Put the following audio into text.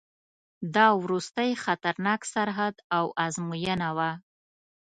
دا وروستی خطرناک سرحد او آزموینه وه.